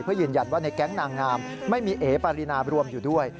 เพื่อยืนยันว่าในแก๊งนางงามไม่มีเอ๋ปารีนารวมอยู่ด้วย